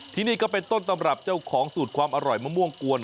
ที่นี่ก็เป็นต้นตำรับเจ้าของสูตรความอร่อยมะม่วงกวน